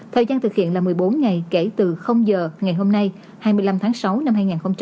thời gian thực hiện là một mươi bốn ngày kể từ giờ ngày hôm nay hai mươi năm tháng sáu năm hai nghìn hai mươi